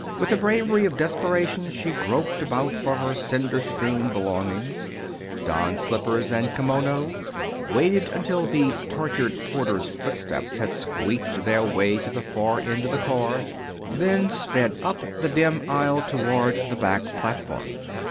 With the bravery of desperation she groped about for her cinder strewn belongings, donned slippers and kimono, waited until the tortured porter's footsteps had squeaked their way to the far end of the car, then sped up the dim aisle toward the back platform.